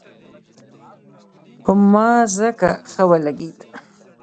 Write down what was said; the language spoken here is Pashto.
پر ما ځکه ښه ولګېد.